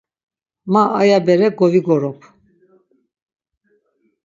Ma aya bere govigorop.